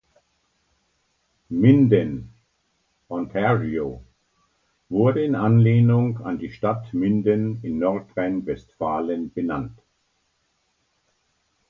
Minden, Ontario, wurde in Anlehnung an die Stadt Minden in Nordrhein-Westfalen benannt.